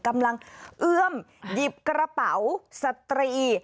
กำลังเกื้อมหยิบกระเป๋าสตรี